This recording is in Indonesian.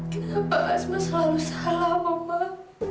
kenapa asma selalu salah mama